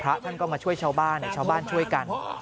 พระท่านก็มาช่วยชาวบ้านชาวบ้านช่วยกัน